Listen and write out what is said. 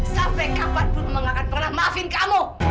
sampai kapanpun mau gak akan pernah maafin kamu